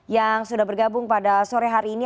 yang sudah bergabung pada sore hari ini